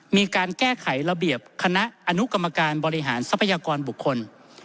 มีการแก้ไขระเบียบคณะอนุกรรมการบริหารทรัพยากรบุคคล